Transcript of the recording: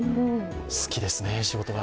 好きですね、仕事が。